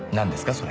それ。